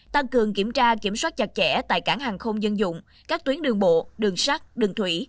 tăng cường kiểm tra kiểm soát chặt chẽ tại cảng hàng không dân dụng các tuyến đường bộ đường sắt đường thủy